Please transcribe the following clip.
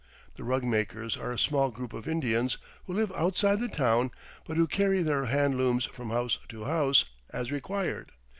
The rug makers are a small group of Indians who live outside the town but who carry their hand looms from house to house, as required.